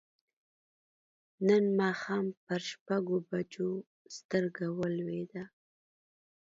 نن ماښام پر شپږو بجو سترګه ولوېده.